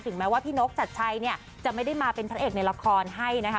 แม้ว่าพี่นกจัดชัยเนี่ยจะไม่ได้มาเป็นพระเอกในละครให้นะคะ